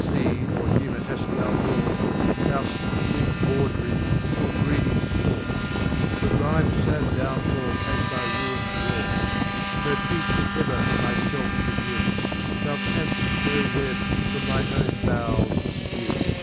Scene, or humour haft thou wrought 5 Thou'ft quibling Bawdy, and ill breeding taught; But Rime's fad downfal has thy mine brought. No Piece did ever from thy felf begin > Thou can'ft no web, from thine own bowels, fpin.